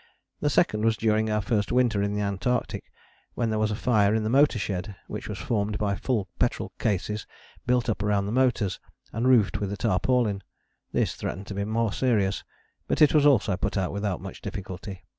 The second was during our first winter in the Antarctic, when there was a fire in the motor shed, which was formed by full petrol cases built up round the motors, and roofed with a tarpaulin. This threatened to be more serious, but was also put out without much difficulty.